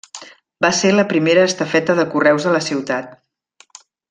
Va ser la primera estafeta de correus de la ciutat.